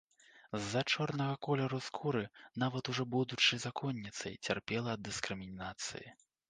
З-за чорнага колеру скуры, нават ужо будучы законніцай, цярпела ад дыскрымінацыі.